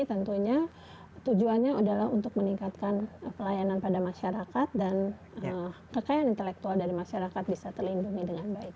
tentunya tujuannya adalah untuk meningkatkan pelayanan pada masyarakat dan kekayaan intelektual dari masyarakat bisa terlindungi dengan baik